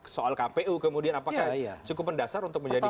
soal kpu kemudian apakah cukup mendasar untuk menjadi